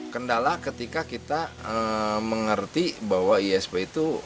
kendala ketika kita mengerti bahwa isp itu